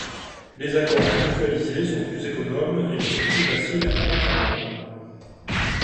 Les accords mutualisés sont plus économes et ils sont plus faciles à mettre en œuvre.